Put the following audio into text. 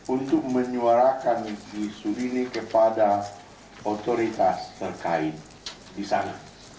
untuk menyuarakan isu ini kepada otoritas terkait di sana